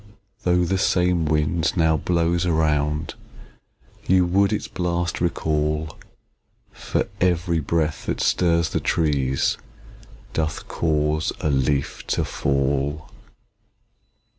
Though the same wind now blows around, You would its blast recall; For every breath that stirs the trees, Doth cause a leaf to fall.